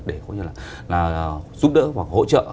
để giúp đỡ và hỗ trợ